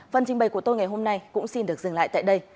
phần trình bày của tôi ngày hôm nay cũng xin được dừng lại tại đây